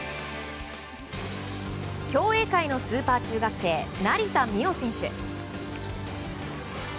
競泳界のスーパー中学生成田実生選手。